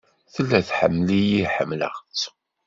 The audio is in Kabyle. Tella tḥemmel-iyi ḥemmleɣ-tt.